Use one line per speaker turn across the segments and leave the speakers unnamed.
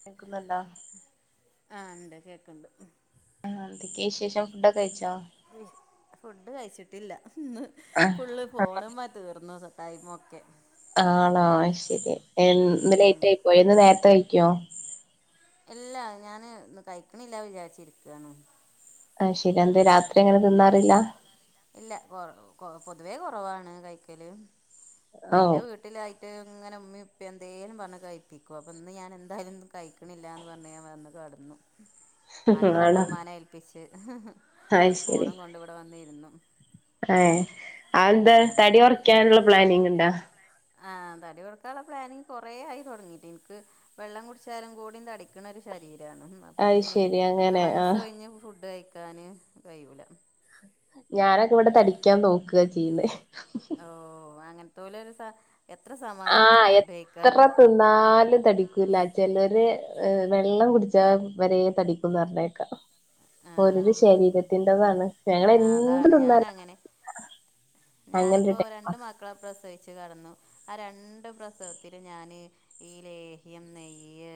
കേക്കുന്നുണ്ടോ
ആഹ് ഉണ്ട് കേക്കണ്ട്
ആഹ് എന്തൊക്കെയ വിശേഷം ഫുഡൊക്കെ കഴിച്ചോ
ഫുഡ് കഴിച്ചിട്ടില്ല ഇന്ന്
ആഹ്
ഫുള്ള് ഫോണ് മ തീർന്നു ടയ്മൊക്കെ
ആണോ അത്ശരി ഇന്ന്
ഉം
ലേറ്റ് ആയി പോയി എന്നും നേരത്തെ കഴിക്കോ
ഇല്ലാ ഞാന് ഇന്ന് കഴിക്കണില്ല വിചാരിച്ചിരിക്കുവയാണ്
അയ്ശരി എന്ത് രാത്രി അങ്ങനെ
ഉം
തിന്നാറില്ല
ഇല്ല കൊ കൊ പൊതുവേ കുറവാണ് കൈക്കല് അപ്പ
ഓഹ്
എന്റെ വീട്ടിലായിട്ട് ഇങ്ങനെ ഉമ്മി ഉപ്പ എന്തേലും പറഞ്ഞ് കഴിപ്പിക്കും അപ്പൊ ഇന്ന് ഞാൻ എന്തായാലും കഴും ക്ക്ണില്ലാന്ന് പറഞ്ഞു ഞാൻ വന്ന് കടന്നു മക്കളൊക്കെ
ആണോ
ഉമ്മാനെ ഏൽപ്പിച്ച്
അത് ശരി
ഫോണും കൊണ്ടുവിട വന്നിരുന്നു
ഏഹ് അന്താ തടി ഉറക്കാനുള്ള പ്ലാനിങ് ഉണ്ടാ
ആഹ് തടി കൊറക്കാനുള്ള പ്ലാനിങ് കുറെേ ആയി തുടങ്ങിയിട്ട് എനിക്ക് വെള്ളം കുടിച്ചാലും കൂടി അടിക്കണ ഒരു ശരീരമാണ് അപ്പൊ
അത്
പിന്നെ
ശരി
അങ്ങനെ മനസ്സ്
ആഹ്
ഒഴിഞ്ഞ് ഫുഡ് കഴിക്കാന് കയ്യൂല
ഞാനൊക്കെ ഇവിടെ തടിക്കാൻ നോക്കുക ചെയ്യുന്നത്
ഓ അങ്ങനത്തോലൊരു എത്ര സമാധാനത്തില് ഫുഡ് കഴിക്കാം
നാലും തടിക്കൂല്ല ചിലര് വെള്ളം കുടിച്ച വരെ തടിക്കുംന്ന് പറഞ്ഞേക്കാം ഓരോരു
ആഹ് അതന്നെ
ശരീരത്തിൻ്റെതാണ് ഞങ്ങള്
ആഹ്
എന്ത്
അതാണ്
തിന്നാലും അങ്ങനൊരു
ഞാനിപ്പോ
ടൈപ്പാ
രണ്ട് മക്കളെ പ്രസവിച്ചു കടന്നു ആ രണ്ട് പ്രസവത്തിലും ഞാന് ഈ ലേഹ്യം നെയ്യ്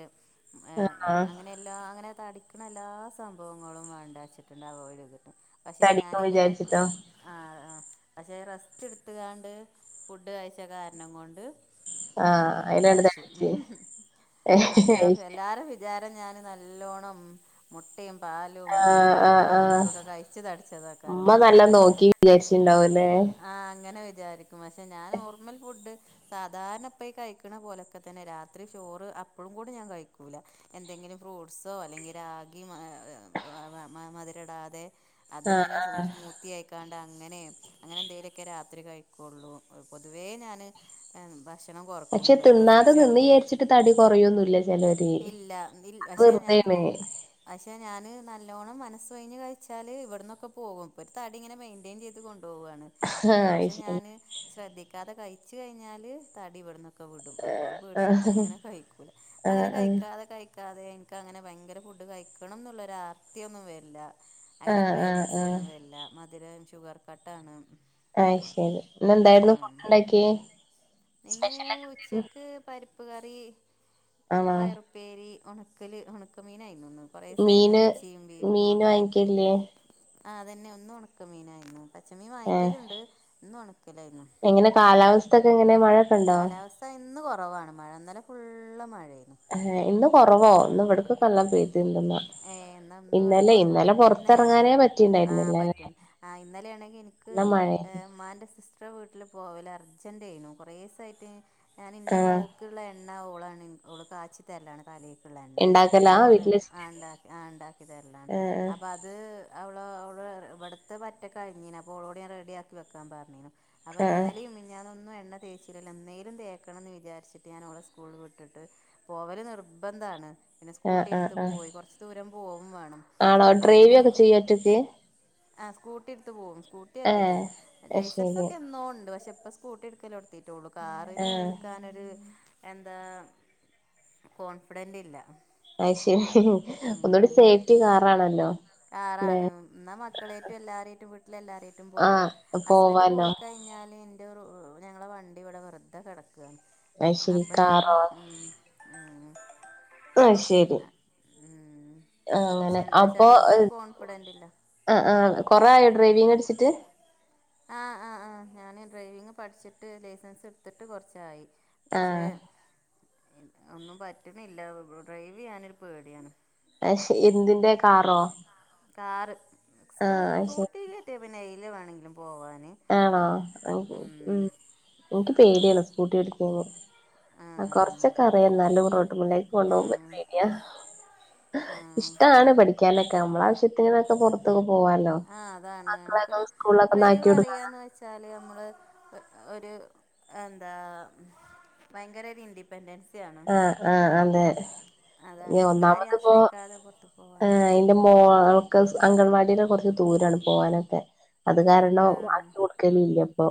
ഏ
ആഹ്
അങ്ങനെ എല്ലാ അങ്ങനെ തടിക്കണ എല്ലാ സംഭവങ്ങളും വേണ്ട വെച്ചിട്ടുണ്ട് അവോയ്ഡ് ചെയ്തിട്ട് പക്ഷെ
തടിക്കും
ഞാനിങ്ങനെ
വിചാരിച്ചിട്ടോ
ആ ആ പക്ഷേ റെസ്റ്റ് എടുത്തുകാണ്ട് ഫുഡ് കഴ്ച്ച കാരണം കൊണ്ട്
ആഹ് അയിനാണ്ട്
തടിച്ചു
തടിച്ച്
അത്യാവശ്യം എല്ലാര വിചാരം ഞാൻ നല്ലോണം മുട്ടയും, പാലും,
ആഹ്
നെയ്യും,
ആഹ്
എണ്ണയും
ആഹ്
മെഴുക്കും ഒക്കെ കഴിച്ച് തടിച്ചതയ്ക്കാരംന്നു പക്ഷെ ഞാന്
വിചാരിച്ചിണ്ടാവും
ആ അങ്ങനെ വിചാരിക്കും പക്ഷെ ഞാൻ നോർമൽ ഫുഡ് സാധാരണപ്പ കഴിക്കണ പോലെയൊക്കെ തന്നെ രാത്രി ചോറ് അപ്പോഴും കൂടെ ഞാൻ കഴിക്കൂല എന്തെങ്കിലും ഫ്രൂട്ട്സോ അല്ലെങ്കിൽ രാഗി മധരടാതെ
ആഹ്
അതിങ്ങനെ
ആഹ്
സ്മൂത്തിയയിക്കാണ്ട് അങ്ങനെ അങ്ങനെ എന്തെലൊക്കെ രാത്രി കഴിക്കുള്ളൂ പൊതുവേ ഞാന് ഭക്ഷണം കൊറക്കും
പക്ഷെ തിന്നാതെ
പ്രസവിച്ച
നിന്ന്
കടക്കുമ്പോ
വിചാരിച്ചിട്ട് തടി കൊറയൊന്നുല്ല ചെലോര്
ഇല്ല
അത്
പക്ഷെ ഞാൻ
വെറുതേണ്
പക്ഷെ ഞാൻ നല്ലോണം മനസ് കഴിഞ്ഞ് കഴിച്ചാല് ഇവിടന്നൊക്കെ പോകും ഇപ്പൊ ഒരു തടി ഇങ്ങനെ മെയിന്റയിൻ ചെയ്ത് കൊണ്ട പോവാണ്
ആഹ്
അത്യാവശ്യം
അയ്ശരി
ഞാന് ശ്രദ്ധിക്കാതെ കഴിച്ച് കഴിഞ്ഞാല് തടി വെടുന്നു ക്കെ വിടും അപ്പോ പേടിച്ചിട്ട്
ആഹ്
അങ്ങനെ കഴിക്കൂല
ആഹ് ആഹ്
അങ്ങനെ കഴിക്കാതെ കഴി ക്കാതെ എനിക്കങ്ങനെ ഭയങ്കര ഫുഡ് കഴിക്കണം എന്നുള്ളൊ ആർത്തി ഒന്നും വരില്ല അങ്ങനെ
ആഹ് ആഹ്
ക്രേവിങ്സ്
ആഹ്
ഒന്നും വര്ല്ല മധുരം ഷുഗർ കട്ട ആണ്
അയ് ശരി ഇന്ന് എന്തായിരുന്നു ഫുഡ് ണ്ടാക്കിയേ
ഇന്ന് ഉച്ചക്ക് പരിപ്പ് കറി,
ആണോ
പയറും പ്പേരി ഉണക്കല് ഉണക്കമീനായിരുന്നുന്ന് കുറെ ദിവസായിരുന്നു
മീന്
ഇറച്ചിയും ബീഫും
മീന്
ഒക്കെ ആയിട്ട്
വാങ്ങിക്കലില്ലേ
ആഹതന്നെ ഇന്നും ഉണക്ക മീനായിരുന്നു പച്ചമീൻ
ഏഹ്
വാങ്ങിക്കല് ഉണ്ട് ഇന്ന് ഉണക്കലായിരുന്നു
എങ്ങനെ കാലാവസ്ഥൊക്കെ എങ്ങനെ മഴയൊക്കെ ഉണ്ടോ
കാലാവസ്ഥ ഇന്ന് കുറവാണ് മഴ ഇന്നലെ ഫുള്ള് മഴേരുന്നു
ഏ ഇന്ന് കുറവോ ഇന്ന് ഇവിടക്കക്കെല്ലോം പെയ്‌തിണ്ട് ന്നാ
ഏ ന്നാ ഇന്ന് ഇവിടെ കൊറവാ ഇന്നലെ എനിക്ക്
പൊറത്തെറങ്ങാനേ
ആ
പറ്റിണ്ടായിരുന്നില്ല
പറ്റും ആ ഇന്നലെയാ ആണെങ്കിൽ എനിക്ക്
നല്ല മഴയായിരുന്നു
മ്മാന്റെ സിസ് റ്ററെ വീട്ടിൽ പോവൽ അർജന്റെയ്നു കുറേ ദിവസായിട്ട് ഞാൻ എൻ്റെ മോ
ആഹ്
ക്കുള്ള എണ്ണ ഓളാണ് ഓള് കാച്ചി തരലാണ് തലേക്കുള്ള എണ്ണ
ഇണ്ടാക്കലാ
അപ്പൊ ഓ
വീട്ടില്
ആ
വെച്ചിട്ട്
ണ്ടാക്കി ആ ഉണ്ടാക്കിതരലാണ്
ആഹ്
അ അത് അവള അവള ഇവിട്ത്തെ പറ്റ കഴിഞ്ഞീന അപ്പൊ ഓളോട് ഞാൻ റെഡി ആക്കി വെക്കാൻ പറഞ്ഞീനു അപ്പൊ
ആഹ്
ഇന്നലെയും മി ഞ്ഞാന്നൊന്നും എണ്ണ തേച്ചിലല്ലോ ഇന്നേലും തേക്കണംന്ന് വിചാരിച്ചിട്ട് ഞാൻ ഓളെ സ്കൂളിൽ വിട്ടിട്ട് പോവല് നിർബന്ധാണ് പിന്നെ
ആഹ്
സ്കൂട്ടി
ആഹ്
എടുത്ത്
ആഹ്
പോയി കുറച്ചു ദൂരം പോവും വേണം
ആണോ ഡ്രൈവ
അങ്ങനെ പോ
ഒക്കെ ചെയ്യാ ഒറ്റക്ക്
ആ സ്കൂട്ടി എടുത്ത് പോവും സ്കൂട്ടി ഒറ്റക്ക്
ഏഹ് അത്
ലൈസൻസ്
ശരി
ഒക്കെ എന്നോ ഉണ്ട് പക്ഷെ ഇപ്പ സ്കൂട്ടി എടുക്കലോടു കിട്ടുള്ളൂ കാറിന്
ആഹ്
എടുക്കാനൊരു എന്താ കോൺഫിഡന്റ് ഇല്ല
അയ് ശരി ഒന്നുകൂടി
ഉം
സേഫ്റ്റി കാറാണല്ലോ അല്ലെ
കാറാണ് എന്നാ മക്കളേറ്റും എല്ലാരേറ്റും വീട്ടില എല്ലാരേറ്റും പോവാം
ആഹ്
ഹസ്ബന്റ്
പോവാലോ
പോയി കഴിഞ്ഞാല് ഞങ്ങളെ വണ്ടി ഇവിടെ വെർതെ കടക്കുയാണ്
അത് ശരി
അപ്പൊ ഞാന്
കാറോ
ഉം ഉം
അയ് ശരി
പക്ഷെ
അങ്ങനെ
എന്താ
അപ്പൊ
വെച്ചാൽ എനിക്കൊരു കോൺഫിഡൻ്റ് ഇല്ല
ആ ആ കുറേ ആയോ ഡ്രൈവിങ് പടിച്ചിട്ട്
ആഹ് ആഹ് ആ ഞാന് ഡ്രൈവിങ് പഠിച്ചിട്ട് ലൈസൻസ് എടുത്തിട്ട് കുറച്ചായി പക്ഷെ
ആഹ്
ഒന്നും പറ്റുന്നില്ല ഡ്രൈവ് ചെയ്യിനൊരു പേടിയാണ്
അത് ശ എന്തിന്റെ കാറോ
കർ
ആഹ് അത് ശരി
സ്കൂട്ടി ട്ടി പിന്നെ എയ്ലെ വേണെങ്കിലും പോവാന്
ആണോ ഉം ഇൻക്ക് പേടിയണ് സ്കൂട്ടി ഓടിക്കുമ്പോ ആ കൊറച്ചൊക്കെ അറിയാം നല്ല റോട്ട്മല്ലേക്ക്
ആ
കൊണ്ടു
ആ
പോകുമ്പോ ഒരു പേടിയാ ഇഷ്ടാണ് പഠിക്കാനൊക്കെ നമ്മള ആവശ്യത്തിനൊക്കെ പൊറത്ത് പോവാലോ
ആഹ് അതാണ്
മക്കളൊക്കെ
നമുക്കൊരു
സ്കൂളിലൊക്കെ ഒന്ന്
ഡ്രൈവ്
ആക്കി കൊടുക്കാൻ
അറിയാന്ന് വെച്ചാല് നമ്മള് ഒരു എന്താ ഭയങ്കര ഇന്റി ഡിപെൻസിയണ്
ആഹ് ആഹ് അതെ
അതാണ്
ഇനി
നമുക്ക് ആരെയും ആശ്രയിക്കാതെ പൊറത്ത്ക്ക് പോവാനൊക്കെ
ന്റെ മോൾക്ക് അംഗൻവാടിയില കുറച്ച് ദൂരാണ് പോകാനൊക്കെ അത് കാരണം
ആഹ്
ആക്കി ക്കലില്ലപ്പൊ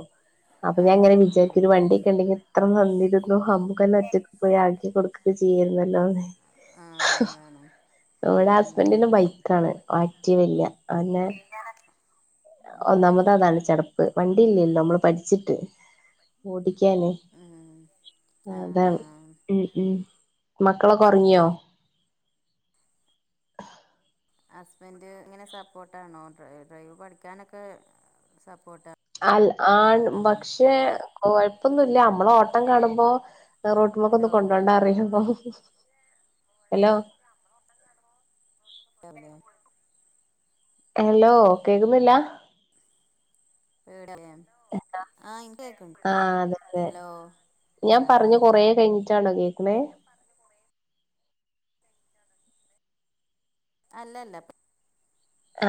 അപ്പൊ ഞാൻങ്ങനെ
ആഹ്
വിചാരിച്ചു
ആഹ്
ഒരു വണ്ടിയൊക്കെ ഉണ്ടെങ്കിൽ എത്ര നന്നിരുന്നു നമ്മുക്ക്ന്നെ ഒറ്റ പോയി ആക്കി കൊടുക്കൊക്കെ ചെയ്യല്ലോല്ലോ
ആഹ് അതാണ്
പോലെ
ഉം
ഹസ്ബൻറിന് ബൈക്കണ് ആക്റ്റിവല്ല അതെന്നെ
[unintelligible]
ഒന്നാമതാണ് ചടപ്പ് വണ്ടി ഇല്ലല്ലോ നമ്മള് പഠിച്ചിട്ട് ഓടിക്കാനേ
ഉം ആഹ്
അതാണ്
ആഹ്
ഉം ഉം മക്കളൊക്കെ ഒറങ്ങിയോ
ഹസ്ബന്ഡ് ഇങ്ങനെ സപ്പോർട്ടാണോ ഡ്രൈവ് പഠിക്കാനൊക്കെ സപ്പോർട്ട
അൽ ആൺ പക്ഷെ കൊഴപ്പൊന്നുല്ല നമ്മളെ ഓട്ടം കാണുമ്പോ റോട്ടുമക്കന്ന്
ഹലോ
കൊണ്ടോണ്ട അറിയപ്പ ഹലോ
[unintelligible]
ഹലോ കേക്കുന്നില്ല.
ഹലോ ആഹ് ഇന്റെയക്കണ്ട്
ആഹ് അതെ അതെ
ഹലോ
ഞാൻ പറഞ്ഞു
ആഹ്
കൊറേ കഴിഞ്ഞിട്ടാണോ കേക്ക്ണേ?
അല്ലല്ല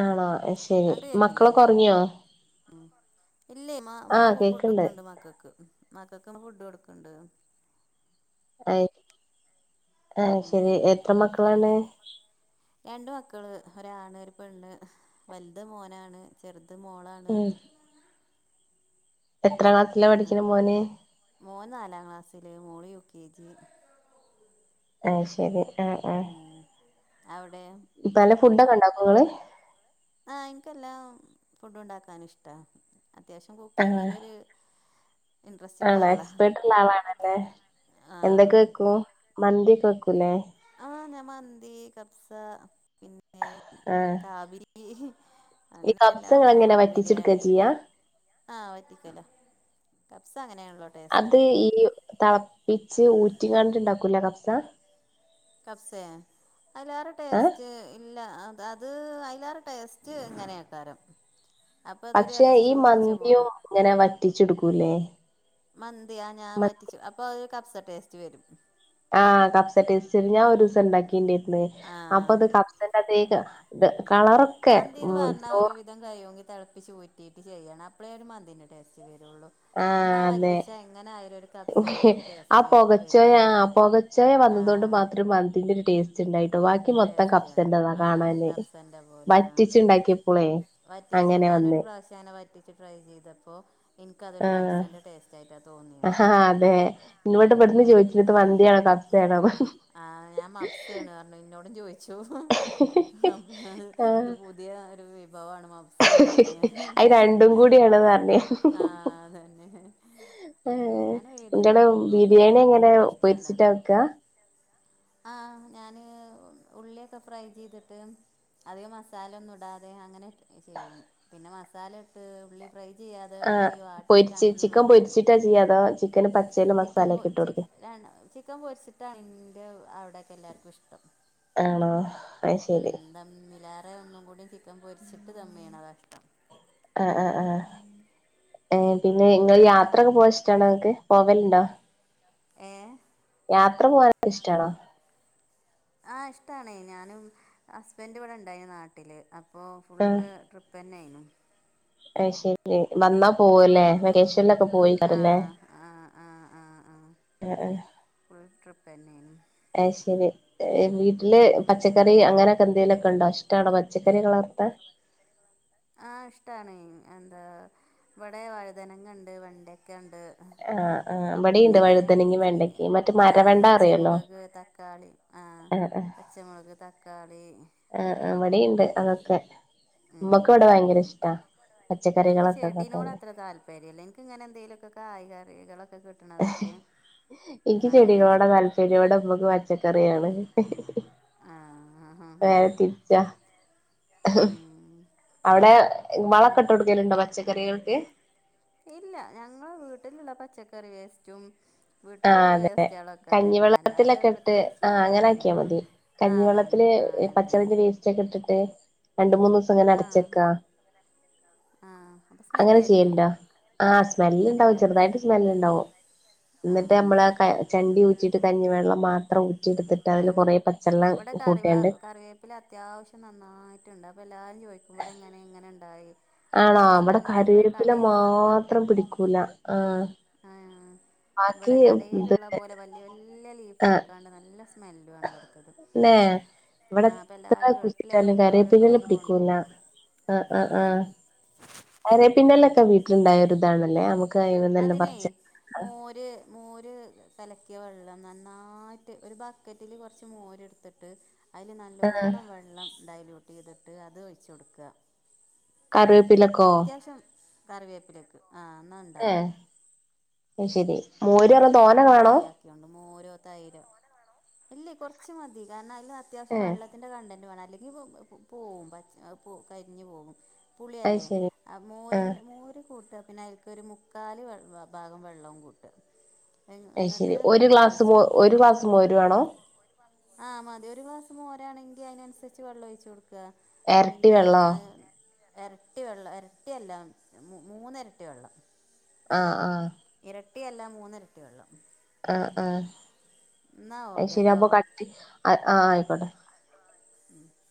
ആണോ ശരി
അങ്ങട്
മക്കൾ
കേക്കില്ലേ
ഒക്കെ ഒറങ്ങിയോ
ഇല്ലേ ഇമ്മ ഫുഡ്
കേക്കണ്ട്
ക്ക്ണ്ട് മക്കൾക്ക് മക്കൾക്ക്മ്മ ഫുഡ് കൊട്ക്ക്ണ്ട്
എ എ അശരി
ഉം
എത്ര മക്കളാണ്?
രണ്ട് മക്കള് ഒരാണ് ഒര് പെണ്ണ് വൽത് മോനാണ് ചെറ്ത് മോളാണ്
എത്ര ക്ലാസ്സില പഠിച്ണെ മോന്
മൂന്ന് നാലാം ക്ലാസ്സിൽ മോള് യു കെ ജി
ആയ് ശരി ആഹ്
ആഹ് അവിടെ
പല ഫുഡ്ക്കോ ഇണ്ടക്കോ ഇങ്ങള്
ആഹ് ഇന്ക് എല്ലാ ഫുഡ്‌ ഇണ്ടാക്കാൻ ഇഷ്ട്ട അത്യാവശ്യം
ആഹ്
കുക്കിങ്ങിലൊരു ഇൻട്രസ്റ്റ് ഉള്ള
ആണോ
ആളാ
എക്സ്പേർട്ട്ള്ള ആളാണല്ലേ
ആ
എന്തൊക്കെ വെക്കൂ മന്തിക്കെ വെക്കൂല്ലേ.
ആഹ് ഞാൻ മന്തി കബ്സ പിന്നെ
ആഹ് ഈ
അങ്ങനെയ
കബ്സ
എല്ലാ
ഇങ്ങള്
ഫുഡും
എങ്ങനെ
വക്കും
വറ്റിച്ചെടുക്ക
ബിരിയാണി.
ചെയ്യാ
ആഹ്വറ്റിക്കല്ലോ കബ്സ അങ്ങനെയാണല്ലോ.
അത്
ടേസ്റ്റ്
ഈ തിളപ്പിച്ച് ഊറ്റി കാണ്ടിട്ടുണ്ടാക്കൂല കഫ്സ
കബ്സ
ഏഹ്
അയിലാരെടേസ്റ്റ്. ഇല്ല അ അത് അയ്ലാറെ ടേസ്റ്റ് ഇങ്ങനെക്കാരം. അപ്പൊ അതൊരു
പക്ഷെ
ഇറച്ചി
ഈ
ചോറ് വെച്ചാ പോലോ.
മന്തിയും ഇങ്ങനെ വറ്റിച്ചെടുക്കൂല്ലേ
മന്തിയാ ഞാൻ വറ്റിച്ചു അപ്പൊ കബ്സ ടേസ്റ്റ് വരും.
ആഹ് കബ്സട്ടെസ്റ്റ്‌ വരു ഞാൻ ഒരു ദിവസം ഇണ്ടാകിണ്ടായിന്നു.
ആഹ്
അപ്പൊ അത് കബ്സന്റെ അതെ ഇത് കളറൊക്കെ
മന്തിന്ന്
ഉം
പറഞ്ഞാൽ ഒരു
ചോറ്
വിധ കയ്യൊങ്കിൽ തളപ്പിച്ചുറ്റിട്ടു ചെയ്യണം അപ്പഴേ ഒരു മന്തിന്റെ ടെസ്റ്റ് വെറുള്ളൂ നമ്മളാ
ആഹ് അതെ
വറ്റിച്ചാ എങ്ങനെ ആയാലും ഒരു കബ്സന്റെ ഒരു ടേസ്റ്റ് വരും.
ചച്ചചോയ വന്നതുകൊണ്ട്
ആഹ്
മാത്രം മന്തിന്റെ ഒരു ടേസ്റ്റ് ച്ചണ്ടായിട്ടോ ബാക്കി മൊത്തം
ടേസ്റ്റ്
കബ്സന്റെതാ
ആഹ്
കാണാന്
കബ്സന്റെ പോലെ ആഹ്
വറ്റിച്ചുണ്ടാക്കിയപ്പോളയ്യ്
വറ്റിച്ച് ഞാനൊരു പ്രാവശ്യം അങ്ങെ വറ്റിച്ച് ട്രൈ ചെയ്തപ്പോൊ എനിക്കതൊരു
ആഹ്
കപ്സന്റെ ടേസ്റ്റ് കബ്സ ആയിട്ടാ തോന്നി
ആഹാ അതെ ഇന്നോട്ട് ഇവ്ട്ന്ന് ചോയ്ച്ചു ഇത് മന്തിആണോ കബ്സെണോ.
ആഹ് ഞാൻ മാബ്സ ണു പറഞ്ഞു ഇന്നോടും ചോദിച്ചു അപ്പ ഞ ഇത്
ആഹ്
പുതിയ ഒരു വിഭവാണ് മാബ് സെണു പറഞ്ഞു ഞാൻ
അത് രണ്ടും കൂടിയാണ്ന്ന് പറഞ്ഞ്
ആ അതെന്നെ ഉം ഞൻ ഒരു
നിങ്ങള്
വിധിലാഫുഡും
ബിരിയാണി
ഉണ്ടാക്കും
എങ്ങനെ
എനിക്കിഷ്ട
പൊരിച്ചിട്ടാ
ഇണ്ടാക്ണെ
വെക്കാ
ആഹ് ഞൻ ഉള്ളിയൊക്കെ ഫ്രൈ ചെയ്തിട്ട് അധികം മസാല ഒന്നും ഇടാതെ അങ്ങനെ ചെയ്യും പിന്നെ മസാലട്ട് ഉള്ളി ഫ്രൈ ചെയ്യാതെ
ആഹ്
ഉള്ളി
പൊരിച്ച്
വാട്ടീട്ടങ്ങനി
ചിക്കൻ
വെക്കും
പൊരിച്ചിട്ടാ ചെയ്യാ അതോ ചിക്കന് പച്ചേല്
ചിക്കൻ പൊ
മസാലയൊക്കെ ഇട്ട്
ചി
കൊടുക്കെ
ആണൊ ചിക്കൻ പൊര്ച്ചിട്ടാണിന്റെ അവ്ടെക്കെല്ലാർക്കുഷ്ടം
ആണോ അയ് ശരി
ദംമ്മിലാറെ ഒന്നും കൂടി ചീക്കം പൊരിച്ചിട്ട് ദമ്മെയ്ണതാ ഇഷ്
ആ ആ ആ ഏ പിന്നെ ഇങ്ങള് യാത്രഒക്കെ പോവാനിഷ്ട്ടാണോ? നിങ്ങക്ക് പോകലുണ്ടോ?
ഏഹ്
യാത്ര പോകാന ഇഷ്ട്ടാണോ
ആഹ് ഇഷ്ട്ടാണേ ഞാനും ഹസ്ബന്റിവിടെ ണ്ടായിനി നാട്ടില് അപ്പോ ഫുള്ള് ട്രി ഉപ്പന്നെന്നു
അയ്ശേരി വന്നാ പോവല്ലെ
ആഹ് ആ ആ ആ ആ. ഫുൾ ട്രിപ്പെന്നേയ്ന്നു
ആയ് ശരി ഏഹ് വീട്ട്ല്
ഉം
പച്ചക്കർ ഇ അങ്ങനക്കന്തേലൊക്കെണ്ടോ ഇഷ്ട്ടാണോ പച്ചക്കറികളർത്താ
ആഹ് ഇഷ്ടാണ് എന്താ ഇവടെ വഴുതനങ്ങണ്ട് വെണ്ടയ്ക്കണ്ട് ആ
ആഹ് ആഹ് ഇവിടെയുണ്ട്
പിന്നെ
വഴുതനങ്ങയും
ചീ
വെണ്ടക്കയും മറ്റേ
ആഹ്
മരവെണ്ട അറിയല്ലോ
പച്ചമുളക് തക്കാളി
ആഹ് ആഹ്
പച്ചമുളക് തക്കാളി
ആ ഹ്ആഹ്
ഒക്കെണ്ട്
ഇവ ടേണ്ട് അതൊക്കെ ഉമ്മക്ക്
ഉം
ഇവിടെ
ഉം
ഭയങ്കര ഇഷ്ടാ
എനിക്ക്
പച്ചക്കറികളൊക്കെണ്ടാക്കാൻ
ചെടിനോട് അത്ര താല്പര്യല്ല എൻക് ങ്ങനെന്തേലൊക്കെ കായകറികളൊക്കെ കിട്ട്ണതൊക്കെ
ഇന്ക്ക് ചെടികളോട താല്പര്യം വടെ മ്മക്ക് പച്ചക്കറിയാണ്
ആഹ്
നേരെ തിര്ച്ച ഹും
ഉം
അവടെ
പിന്നെ
വളൊക്കെട്ടൊട്ക്കല്ണ്ടോ പച്ചക്കറികൾക്ക്
ഇല്ല ഞങ്ങൾ വീട്ട്ല്ള്ള പച്ചക്കറി വേസ്റ്റും
ആഹ്
വീട്ടിലുള്ള
അതെ
വേസ്റ്റാളൊക്കെ തന്നെ അല്ലാതെ
കഞ്ഞിവെള്ളത്തിലൊക്കെ ഇട്ട്
പ്രത്യേകിച്ച്
ആഹ് അങ്ങനെ ആക്കിയാ
വളങ്ങളൊന്നുംടൂല
മതി
ആ അതാണ്
കഞ്ഞിവെള്ളത്തില്
ആ അങ്ങനെത്തന്നെ
[unintelligible] ഇട്ടിട്ട് രണ്ട് മൂന്ന് ദിവസം ഇങ്ങനെ അടച്ചക്ക
ആഹ പ്പൊ സ്മെല് വരില്ലേ
ആഹ്
ഇല്ലല്ല
സ്മെല്ലുണ്ടാവും
അതുവരെ
ചെറുതായിട്ട് സ്മെല് ഇണ്ടാവും എന്നിട്ട്
ആഹ്
നമ്മള് ചണ്ടി ഊച്ചിട്ട് കഞ്ഞിവെള്ളം മാത്രം എടുത്തിട്ട് അതില്
ആഹ്
കുറെ പച്ചവെള്ളം കൂട്ടിയണ്ട്
വെപ്പില അത്യാവശ്യം നന്നായിട്ടുണ്ട് അപ്പൊ എല്ലാരും ചോദിക്കുവിടെ ഇങ്ങനെ ഇങ്ങനെ ഇണ്ടായി
ആണോ ഇവിടെ കറിവപ്പില
കിട്ടണ
മാത്രം പിടിക്കൂല ആഹ
ആഹ് ഇവിടെ കടയിലുള്ള പോലെ വലിയ വല്യ ലീഫ്
ആ
ആയിക്കാണ്ട് നല്ല സ് സ്മെല്ലു ആണ് ഇവിടുത്തത്
ല്ലേ ഇവിടെ
ആ അപ്പം
എത്ര
എല്ലാവരും ഗൾഫിലൊക്കെ
കുഴിച്ചിട്ടാലും
പോണോരൊക്കെ
കറിവേപ്പില
ഇവിടുന്ന്
പിടിക്കൂല്ല
കൊണ്ടുപോകും
ആഹ് ആഹ് ആ കറിവേപ്പില വീട്ടിലുണ്ടായ ഒരു ഇതാണല്ലേ നമുക്ക് അയിമന്ന് തന്നെ
അതിനെ
പറിച്ച്
മോര് മോര് കലക്കിയ വെള്ളം നന്നായിട്ട് ഒരു ബക്കറ്റിൽ കുറച്ച് മോരെടുത്തിട്ട് ട്ട് അതിൽ
ആ
നല്ലവോണം വെള്ളം ഡയലയൂട്ട് ചെയ്തിട്ട് അത് ഒഴിച്ച കൊടുക്കുക
കറിവേപ്പിലക്കോ
[unintelligible] കറിവേപ്പിലേക്ക് ആ എന്ന ഉണ്ടാവും
അ ശരി മോര് പറഞ്ഞ തോനെ
അങ്ങനെ
വേണോ
ട്രൈ ആക്കിണ്ട് മോരോ തൈരോ ഇല്ലേ കൊറച്ച മതി കാരണം അല്ല
ഏ
അത്യാവശ്യം വെള്ളത്തിന്റെ കണ്ടന്റ് വേണം അല്ലെങ്കി പോവും പോവും കരിഞ്ഞു പോവും
അത്
പുളിയല്ലേ
ശരി
ആ മോരിന്റെ മോര് കൂട്ടുക പിന്നെ അതിൽക്കൊരു മുക്കാൽ ഭാഗം വെള്ളവും കൂട്ടുക
അഹ് ശരി
എന്നിട്ട്
ഒരു ഗ്ലാസ് ഒരു ഗ്ലാസ് മോര് വേണോ
ആഹ് മതി ഒരു ഗ്ലാസ് മോരാ ആണെങ്കി അയിനനുസരിച്ച് വെള്ളം ഒഴിച്ച് കൊടുക്ക
എരട്ടി
പിന്നെ
വെള്ളോ
ആ എരട്ടി വെള്ളം എരട്ടിയല്ല മൂന്ന് എരട്ടി വെള്ളം
ആഹ് ആഹ്
ഇരട്ടിയ അല്ല മൂന്ന എരട്ടി വെള്ളം
ആഹ്
എന്നാൽ
അഹ്
ഓക്കെ
ശരിയാ
കേട്ടോ
കട്ടി ആ ആയിക്കോട്ടെ
ആഹ്